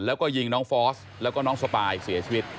แล้วก็ยิงน้องฟอสแล้วก็น้องสปายเสียชีวิต